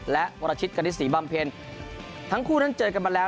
และวรชิตกณิตศรีบำเพ็ญทั้งคู่นั้นเจอกันมาแล้ว